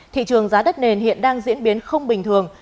thị trường giá đất nền hiện đang diễn biến không bình thường